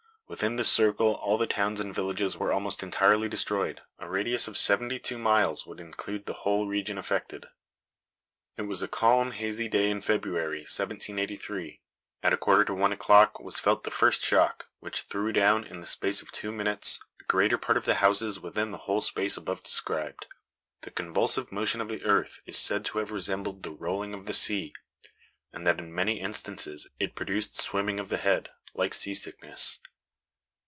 Within this circle all the towns and villages were almost entirely destroyed. A radius of seventy two miles would include the whole region affected. It was a calm, hazy day in February, 1783. At a [Illustration: REMAINS OF ANCIENT HEBREW MASONRY.] quarter to one o'clock was felt the first shock, which "threw down, in the space of two minutes, a greater part of the houses within the whole space above described. The convulsive motion of the earth is said to have resembled the rolling of the sea, and that in many instances it produced swimming of the head, like sea sickness.